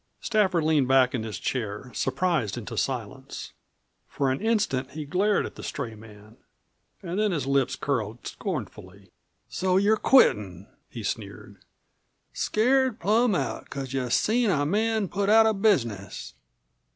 Stafford leaned back in his chair, surprised into silence. For an instant he glared at the stray man, and then his lips curled scornfully. "So you're quittin'," he sneered; "scared plum out because you seen a man put out of business!